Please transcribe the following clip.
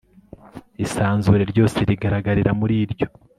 isanzure ryose rigaragarira muri ryo